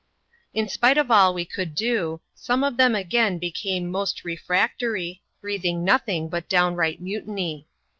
In spite of all we could do, some of them again became most refractory, breathing nothing but downright mutiny.